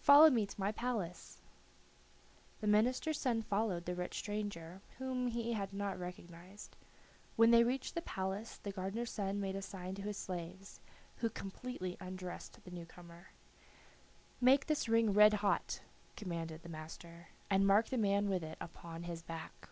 "Follow me to my palace." The minister's son followed the rich stranger, whom he had not recognized. When they reached the palace the gardener's son made a sign to his slaves, who completely undressed the new comer. "Make this ring red hot," commanded the master, "and mark the man with it upon his back."